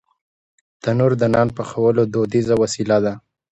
تنور د نان پخولو دودیزه وسیله ده